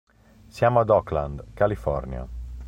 Siamo ad Oakland, California.